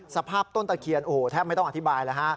สภาพต้นตะเคียนโอ้โหแทบไม่ต้องอธิบายแล้วฮะ